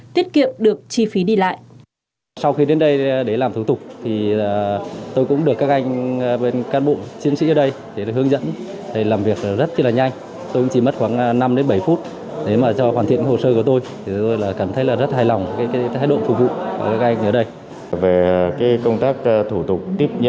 tiết kiệm được chi phí đi lại